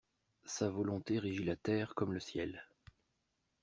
Sa volonté régit la terre comme le ciel.